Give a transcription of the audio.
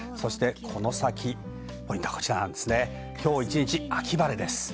この先のポイントは今日一日秋晴れです。